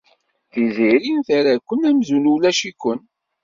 Tiziri terra-ken amzun ulac-iken.